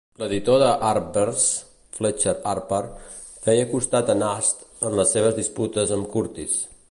L'editor de "Harper's", Fletcher Harper, feia costat a Nast en les seves disputes amb Curtis.